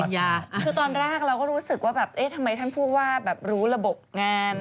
คือตอนแรกเราก็รู้สึกว่าทำไมท่านพูดว่ารู้ระบบงาน